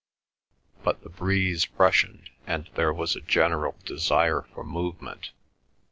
But the breeze freshened, and there was a general desire for movement.